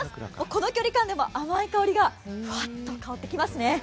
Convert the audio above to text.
この距離感でも甘い香りがふわっと香ってきますね。